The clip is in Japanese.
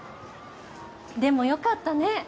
でもよかったね。